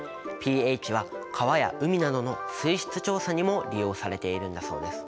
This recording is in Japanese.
ｐＨは川や海などの水質調査にも利用されているんだそうです。